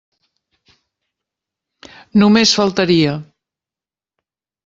Només faltaria.